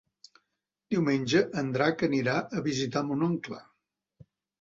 Diumenge en Drac anirà a visitar mon oncle.